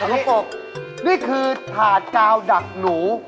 มันก็บอกนี่คือถาดกาลดักหนู